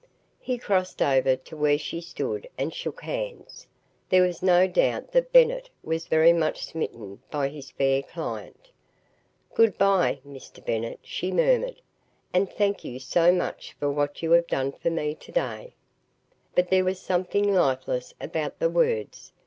He crossed over to where she stood and shook hands. There was no doubt that Bennett was very much smitten by his fair client. "Good bye, Mr. Bennett," she murmured, "and thank you so much for what you have done for me today." But there was something lifeless about the words.